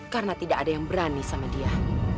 karena tidak ada yang berani sama dia